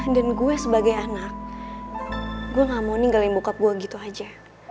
dan gue sebagai anak gue gak mau ninggalin bokap gue gitu aja